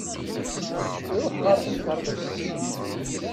Iruḥ ɣer temkerḍit.